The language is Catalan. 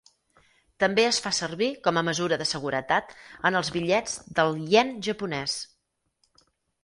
També es fa servir, com a mesura de seguretat, en els bitllets del ien japonès.